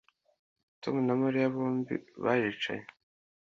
Tom na Mariya bombi baricaye